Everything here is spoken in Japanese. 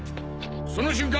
その瞬間